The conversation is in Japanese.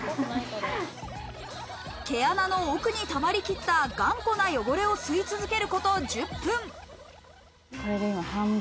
毛穴の奥にたまりきった頑固な汚れを吸い続けること１０分。